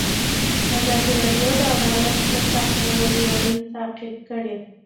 ازادي راډیو د عدالت د تحول لړۍ تعقیب کړې.